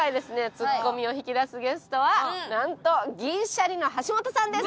ツッコミを引き出すゲストはなんと銀シャリの橋本さんです！